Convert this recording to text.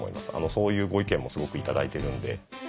そういうご意見もすごくいただいてるんで。